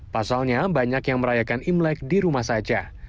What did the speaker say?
pasalnya banyak yang merayakan imlek di rumah saja